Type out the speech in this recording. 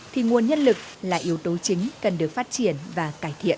thì nguồn nhân lực là yếu tố chính cần được phát triển và cải thiện